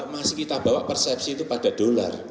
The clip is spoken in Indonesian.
masih kita bawa persepsi itu pada dolar